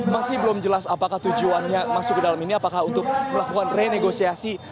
masih belum jelas apakah tujuannya masuk ke dalam ini apakah untuk melakukan renegosiasi